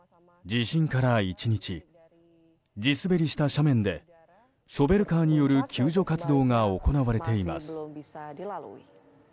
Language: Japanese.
地滑りした斜面でショベルカーによる救助活動が行われています。